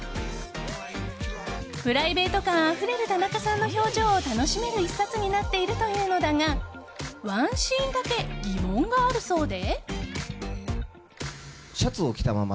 プライベート感あふれる田中さんの表情を楽しめる１冊になっているというのだがワンシーンだけ疑問があるそうで。